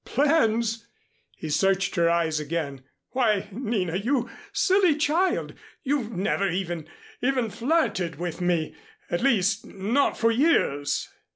"Plans!" He searched her eyes again. "Why, Nina, you silly child, you've never even even flirted with me, at least, not for years."